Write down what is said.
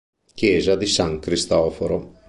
Chiesa di San Cristoforo